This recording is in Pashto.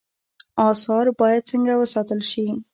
آثار باید څنګه وساتل شي؟